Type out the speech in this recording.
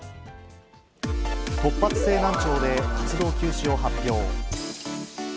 突発性難聴で活動休止を発表。